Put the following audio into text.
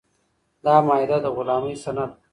دا معاهده د غلامۍ سند و.